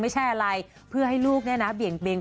ไม่ใช่อะไรเพื่อให้ลูกเนี่ยนะเบี่ยงเบง